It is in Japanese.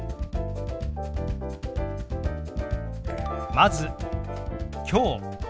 まず「きょう」。